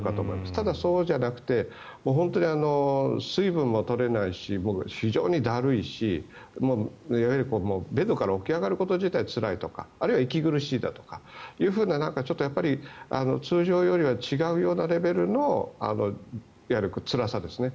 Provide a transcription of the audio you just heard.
ただ、そうじゃなくて本当に水分も取れないし非常にだるいしもうベッドから起き上がること自体がつらいとかあるいは息苦しいだとかそういうふうな通常よりは違うようなレベルのいわゆるつらさですね。